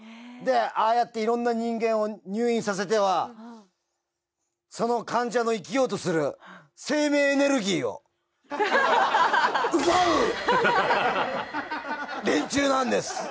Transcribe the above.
ああやっていろんな人間を入院させてはその患者の生きようとする生命エネルギーを奪う連中なんです！